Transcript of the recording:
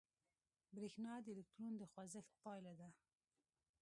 برېښنا د الکترون د خوځښت پایله ده.